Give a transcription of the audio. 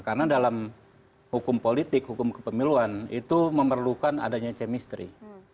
karena dalam hukum politik hukum kepemiluan itu memerlukan adanya chemistry